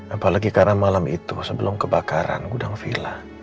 apalagi karena malam itu sebelum kebakaran gudang villa